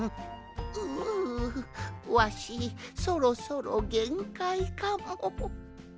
うううわしそろそろげんかいかも。